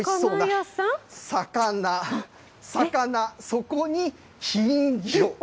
魚、魚、そこに金魚。